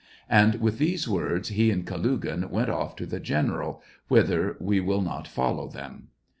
..." And with these words he and Kalugin went off to the general, whither we will not follow them.